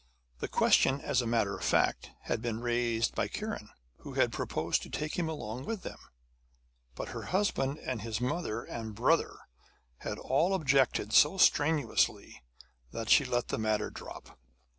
The question, as a matter of fact, had been raised by Kiran, who had proposed to take him along with them. But her husband and his mother and brother had all objected so strenuously that she let the matter drop.